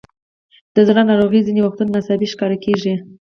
د زړه ناروغۍ ځینې وختونه ناڅاپي ښکاره کېږي.